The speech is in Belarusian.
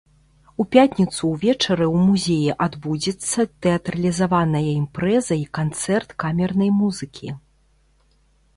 У пятніцу ўвечары ў музеі адбудзецца тэатралізаваная імпрэза і канцэрт камернай музыкі.